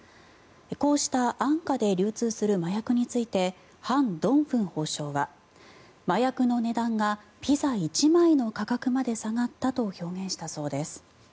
こうした安価で流通する麻薬についてハン・ドンフン法相は麻薬の値段がピザ１枚の価格まで下がったと表現したそうです。